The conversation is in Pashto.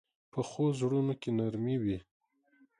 پخو زړونو کې نرمي وي